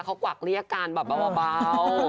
เขากวักเรียกกันแบบเบา